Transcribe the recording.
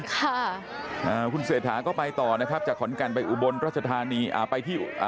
ค่ะคุณเศรษฐาก็ไปต่อกุธการไปอุบรรษฏภายราชธานี